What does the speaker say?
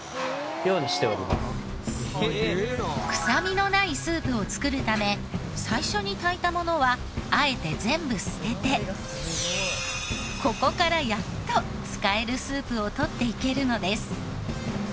臭みのないスープを作るため最初に炊いたものはあえて全部捨ててここからやっと使えるスープを取っていけるのです。